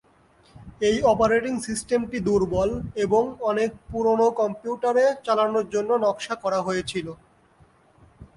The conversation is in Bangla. এই অপারেটিং সিস্টেমটি দূর্বল এবং অনেক পুরো কম্পিউটারে চালানোর জন্য নকশা করা হয়েছিল।